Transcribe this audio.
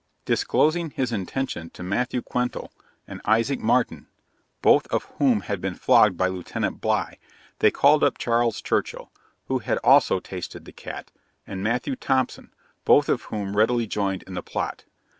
Disclosing his intention to Matthew Quintal and Isaac Martin, both of whom had been flogged by Lieutenant Bligh, they called up Charles Churchill, who had also tasted the cat, and Matthew Thompson, both of whom readily joined in the plot.